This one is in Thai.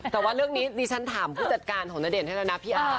แต่ว่าเรื่องนี้ดิฉันถามผู้จัดการของณเดชนให้แล้วนะพี่อาร์